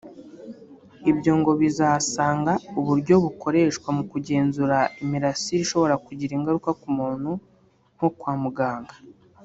Ibyo ngo bizasanga uburyo bukoreshwa mu kugenzura imirasire ishobora kugira ingaruka ku muntu nko kwa muganga